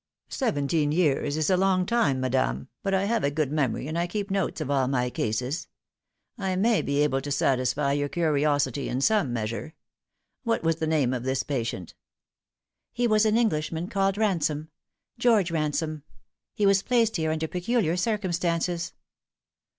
" Seventeen years is a long time, madame, but I have a good memory, and I keep notes of all my cases. I may be able to satisfy your curiosity in some measure. What was the name of this patient ?"" He was an Englishman called Ransom e George Ransome. He was placed here under peculiar circumstances."